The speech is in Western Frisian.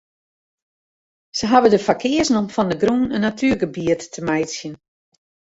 Sy hawwe der foar keazen om fan de grûn in natuergebiet te meitsjen.